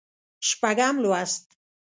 شپږم لوست